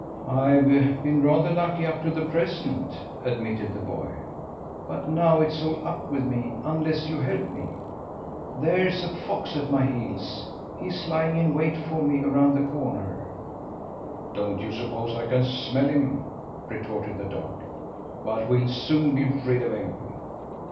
"I've been rather lucky up to the present," admitted the boy. "But now it's all up with me unless you help me! There's a fox at my heels. He's lying in wait for me around the corner." "Don't you suppose I can smell him?" retorted the dog. "But we'll soon be rid of him!"